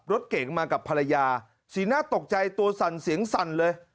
รถเก๋งมากับภรรยาสีหน้าตกใจตัวสั่นเสียงสั่นเลย